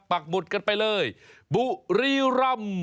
ปักหมุดกันไปเลยบุรีร่ำ